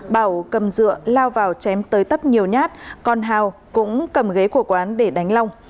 bảo cầm dựa lao vào chém tới tấp nhiều nhát còn hào cũng cầm ghế của quán để đánh long